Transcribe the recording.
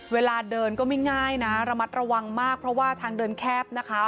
เวลาเดินก็ไม่ง่ายนะระมัดระวังมากเพราะว่าทางเดินแคบนะคะ